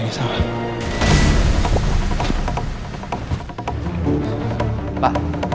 itu berusaha bangk info